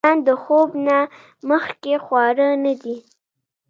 رومیان د خوب نه مخکې خواړه نه دي